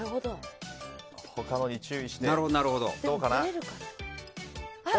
他のに注意して。